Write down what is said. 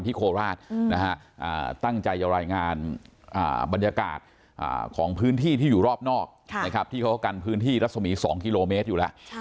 โคราชตั้งใจจะรายงานบรรยากาศของพื้นที่ที่อยู่รอบนอกที่เขากันพื้นที่รัศมี๒กิโลเมตรอยู่แล้ว